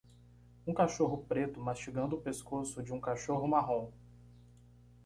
Um cachorro preto mastigando o pescoço de um cachorro marrom